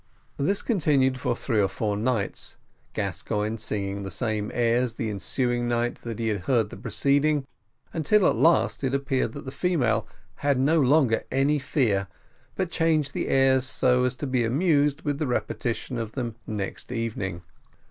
This continued for three or four nights, Gascoigne singing the same airs the ensuing night that he had heard the preceding, until at last it appeared that the female had no longer any fear, but changed the airs so as to be amused with the repetition of them next evening.